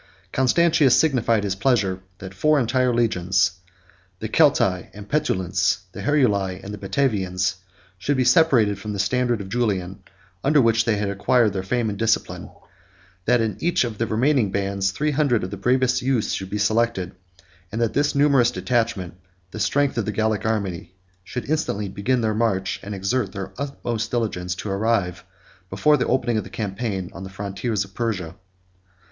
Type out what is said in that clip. Constantius signified his pleasure, that four entire legions, the Celtæ, and Petulants, the Heruli, and the Batavians, should be separated from the standard of Julian, under which they had acquired their fame and discipline; that in each of the remaining bands three hundred of the bravest youths should be selected; and that this numerous detachment, the strength of the Gallic army, should instantly begin their march, and exert their utmost diligence to arrive, before the opening of the campaign, on the frontiers of Persia.